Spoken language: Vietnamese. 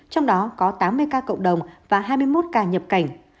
trong đó có tám mươi ca cộng đồng và hai mươi một ca nhập cảnh